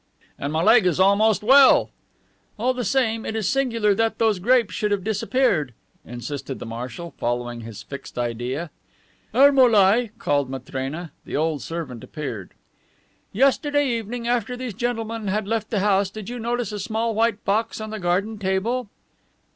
"And my leg is almost well." "All the same, it is singular that those grapes should have disappeared," insisted the marshal, following his fixed idea. "Ermolai," called Matrena. The old servant appeared. "Yesterday evening, after these gentlemen had left the house, did you notice a small white box on the garden table?"